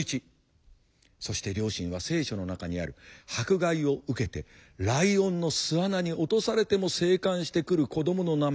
そして両親は「聖書」の中にある「迫害を受けてライオンの巣穴に落とされても生還してくる子どもの名前」